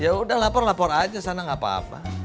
ya udah lapor lapor aja sana nggak apa apa